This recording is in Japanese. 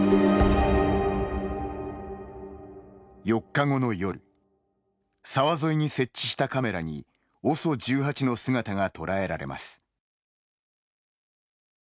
４日後の夜沢沿いに設置したカメラにＯＳＯ１８の姿が捉えられます。